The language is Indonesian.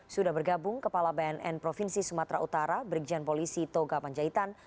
sudah bergabung kepala bnn provinsi sumatera utara brigjen polisi toga panjaitan